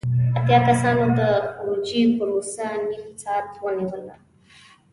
اتیا کسانو د خروجی پروسه نیم ساعت ونیوله.